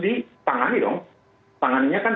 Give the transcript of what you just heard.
dipangani dong pangannya kan